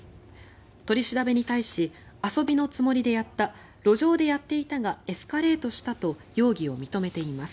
取り調べに対し遊びのつもりでやった路上でやっていたがエスカレートしたと容疑を認めています。